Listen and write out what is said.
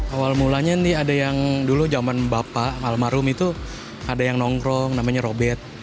awal mulanya nih ada yang dulu jaman bapak malam harum itu ada yang nongkrong namanya robet